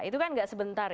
itu kan tidak sebentar ya